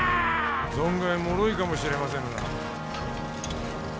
存外もろいかもしれませぬな。